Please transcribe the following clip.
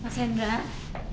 kalau masih ng comparative